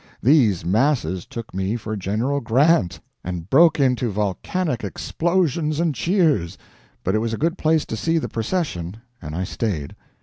These masses took me for General Grant, and broke into volcanic explosions and cheers; but it was a good place to see the procession, and I stayed.